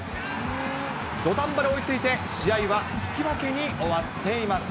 土壇場で追いついて、試合は引き分けに終わっています。